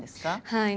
はい。